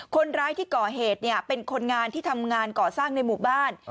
คนร้ายที่ก่อเหตุเป็นคนงานที่ทำงานก่อสร้างในหมู่บ้าน